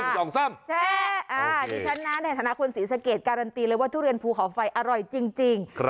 แชร์ที่ชั้นนั้นธนาควรสีสะเกดการันตีเลยว่าทุเรียนภูเขาไฟอร่อยจริง